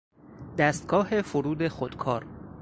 دستگاه فرود خودکار